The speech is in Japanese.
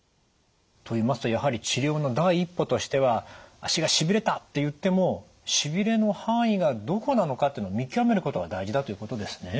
といいますとやはり治療の第一歩としては「足がしびれた」っていってもしびれの範囲がどこなのかってのを見極めることが大事だということですね。